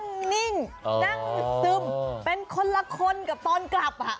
นิ่งนั่งซึมเป็นคนละคนกับตอนกลับอ่ะ